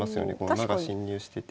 馬が侵入してて。